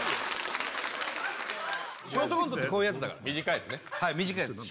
ショートコントってこういうやつだから短いやつね